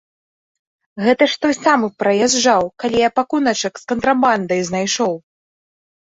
Гэта ж той самы праязджаў, калі я пакуначак з кантрабандай знайшоў.